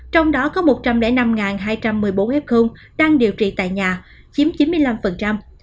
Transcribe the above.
trong đó có một trăm linh năm hai trăm một mươi bốn f đang điều trị tại nhà chiếm chín mươi năm